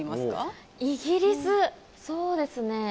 そうですね。